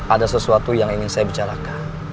ada sesuatu yang ingin saya bicarakan